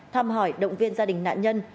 thăm hỏi động viên gia đình nạn nhân